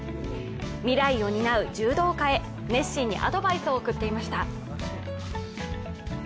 未来を担う柔道家へ、熱心にアドバイスを送っていました。